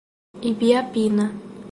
Ibiapina